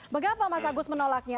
mengapa mas agus menolaknya